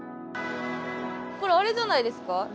これあれじゃないですか？